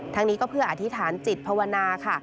ทั้งนี้ก็เพื่ออธิษฐานจิตภาวนาค่ะ